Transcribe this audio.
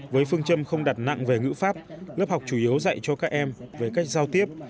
với phương châm không đặt nặng về ngữ pháp lớp học chủ yếu dạy cho các em về cách giao tiếp